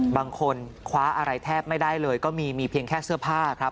บางคนคว้าอะไรแทบไม่ได้เลยก็มีมีเพียงแค่เสื้อผ้าครับ